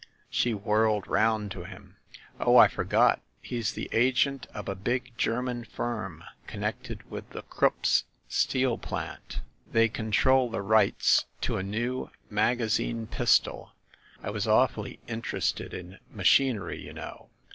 She whirled round to him. "Oh, I forgot! He's the agent for a big German firm, connected with the Krupps' steel plant. They control the rights to a new THE ASSASSINS' CLUB 259 magazine pistol. I was awfully interested in machin ery, you know.